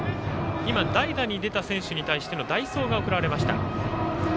今、代打に出た選手に対しての代走が送られました。